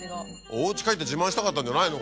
おうち帰って自慢したかったんじゃないの？